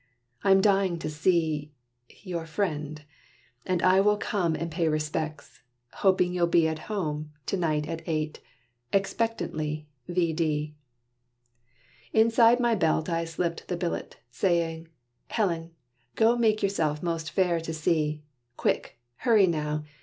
I'm dying to see your friend; and I will come And pay respects, hoping you'll be at home To night at eight. Expectantly, V. D." Inside my belt I slipped the billet, saying, "Helen, go make yourself most fair to see: Quick! hurry now!